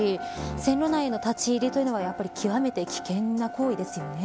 線路内への立ち入りは、やっぱり極めて危険な行為ですよね。